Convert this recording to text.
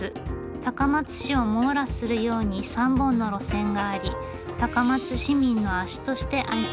高松市を網羅するように３本の路線があり高松市民の足として愛されています。